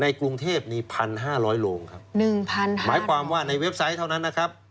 กรุงเทพมีพันห้าร้อยโรงครับหนึ่งพันค่ะหมายความว่าในเว็บไซต์เท่านั้นนะครับ